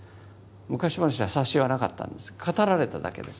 昔話は冊子はなかったんです語られただけです。